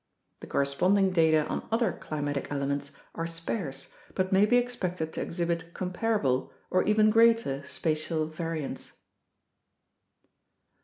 The correspond ing data on other climatic elements are sparse but may be expected to exhibit comparable or even greater spatial variance.